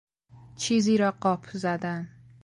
چیزی را قاپ زدن